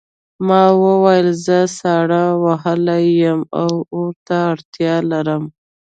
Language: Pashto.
ما وویل زه ساړه وهلی یم او اور ته اړتیا لرم